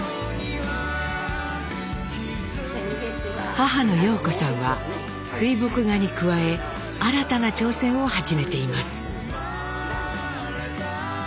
母の様子さんは水墨画に加え新たな挑戦を始めています。